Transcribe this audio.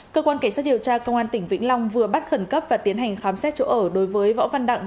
cơ quan cảnh sát điều tra công an tỉnh vĩnh long vừa bắt khẩn cấp và tiến hành khám xét chỗ ở đối với võ văn đặng